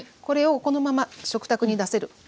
これをこのまま食卓に出せる。